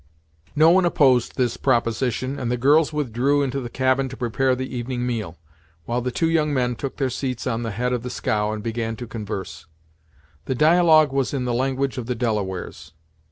No one opposed this proposition, and the girls withdrew into the cabin to prepare the evening meal, while the two young men took their seats on the head of the scow and began to converse. The dialogue was in the language of the Delawares.